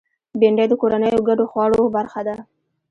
بېنډۍ د کورنیو ګډو خوړو برخه ده